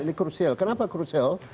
ini krusial kenapa krusial